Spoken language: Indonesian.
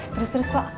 terus terus pak